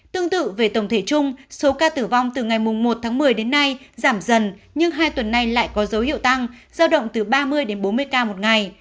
tương tự về tổng thể chung số ca tử vong từ ngày một tháng một mươi đến nay giảm dần nhưng hai tuần nay lại có dấu hiệu tăng giao động từ ba mươi đến bốn mươi ca một ngày